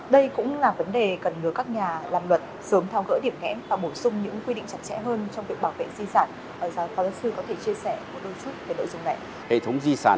đây cũng là vấn đề cần ngừa các nhà làm luật sớm thao gỡ điểm nghẽm và bổ sung những quy định chặt chẽ hơn trong việc bảo vệ di sản